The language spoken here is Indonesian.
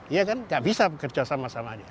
iya kan nggak bisa bekerja sama sama aja